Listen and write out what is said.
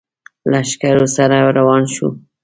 لښکرو سره روان شو.